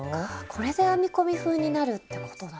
これで編み込み風になるってことなんですね。